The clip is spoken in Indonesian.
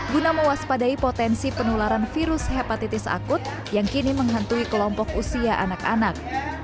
guna mewaspadai potensi penularan virus hepatitis akut yang kini menghantui kelompok usia anak anak